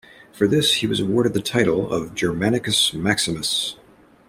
For this he was awarded the title of Germanicus Maximus.